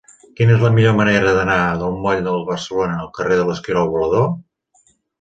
Quina és la millor manera d'anar del moll de Barcelona al carrer de l'Esquirol Volador?